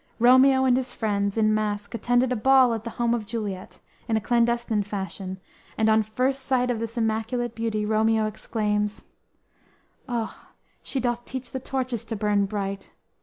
Romeo and his friends, in mask, attended a ball at the home of Juliet, in a clandestine fashion, and on first sight of this immaculate beauty Romeo exclaims: _"O, she doth teach the torches to burn bright!